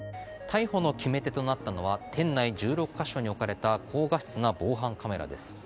逮捕の決め手となったのは店内１６か所に置かれた高画質な防犯カメラです。